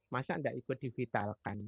masa tidak ikut divitalkan